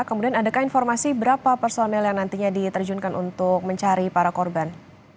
kemudian adakah informasi berapa personel yang nantinya diterjunkan untuk mencari para korban